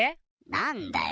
なんだよ。